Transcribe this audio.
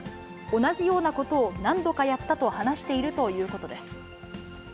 同じようなことを何度かやったと話しているということです。